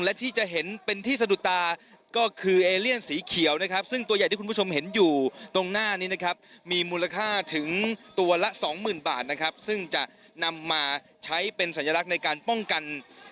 และที่จะเห็นเป็นที่สะดุดตาก็คือเอเลียนสีเขียวนะครับซึ่งตัวใหญ่ที่คุณผู้ชมเห็นอยู่ตรงหน้านี้นะครับมีมูลค่าถึงตัวละสองหมื่นบาทนะครับซึ่งจะนำมาใช้เป็นสัญลักษณ์ในการป้องกัน